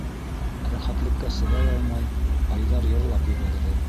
Рәхәтлеккә сыҙай алмай, Айҙар йырлап ебәрҙе: